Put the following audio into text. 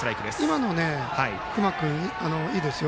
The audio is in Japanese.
今の隈君はいいですよ。